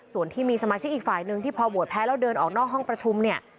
ส่วนที่มีสมาชิกอีกฝ่ายหนึ่งที่พอโหวตแพ้แล้วเดินออกนอกห้องประชุมเนี่ย